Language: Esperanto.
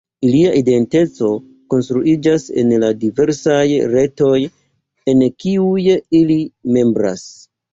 Ilia identeco konstruiĝas en la diversaj retoj en kiuj ili membras.